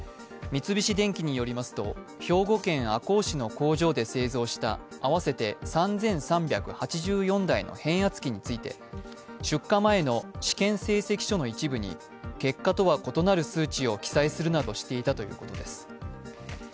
三菱電機によりますと、兵庫県赤穂市の工場で製造した合わせて３３８４台の変圧器について出荷前の試験成績書の一部に結果とは異なる数値を記載するなどしていたということです。